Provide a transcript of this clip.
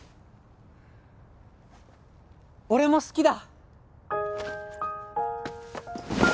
俺も好きだ